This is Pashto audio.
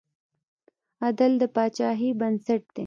عدل د پاچاهۍ بنسټ دی.